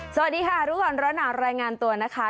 สวัสดีค่ะรู้ก่อนร้อนหนาวรายงานตัวนะคะ